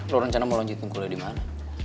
lo rencana mau lanjutin kuliah di mana